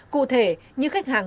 cụ thể như khách hàng